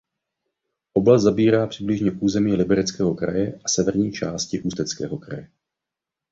Oblast zabírá přibližně území Libereckého kraje a severní části Ústeckého kraje.